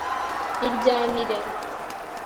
iryamire